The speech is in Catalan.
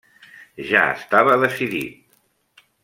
Ja estava decidit.